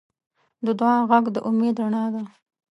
د دعا غږ د امید رڼا ده.